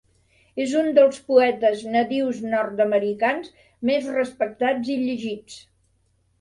És un dels poetes nadius nord-americans més respectats i llegits.